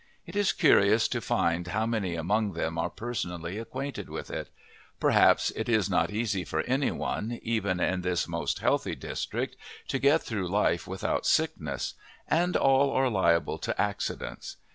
It is curious to find how many among them are personally acquainted with it; perhaps it is not easy for anyone, even in this most healthy district, to get through life without sickness, and all are liable to accidents.